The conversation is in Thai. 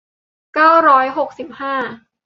เก้าร้อยหกสิบห้า